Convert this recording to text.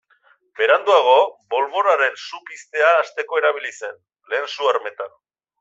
Beranduago, bolboraren su piztea hasteko erabili zen, lehen su armetan.